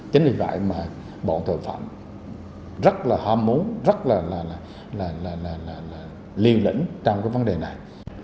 chính vì vậy mà bọn tội phạm rất là ham muốn rất là liều lĩnh trong cái vấn đề này